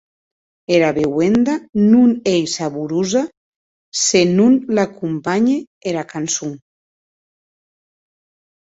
Era beuenda non ei saborosa se non l’acompanhe era cançon.